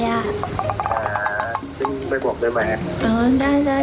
ซึ่งไม่บอกได้ไหม